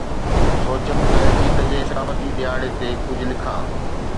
سوچيم ته عيد جي ثقافتي ڏهاڙي تي ڪجهه لکان.